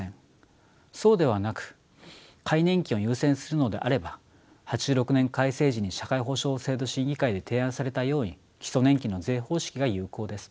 そうではなく皆年金を優先するのであれば８６年改正時に社会保障制度審議会で提案されたように基礎年金の税方式が有効です。